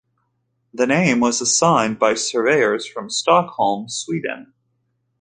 The name was assigned by surveyors from Stockholm in Sweden.